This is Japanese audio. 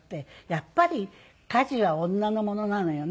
やっぱり家事は女のものなのよね